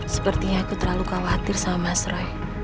sepertinya aku terlalu khawatir sama mas roy